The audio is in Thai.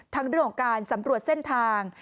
ทั้งด้วยของการสำรวจเส้นทาง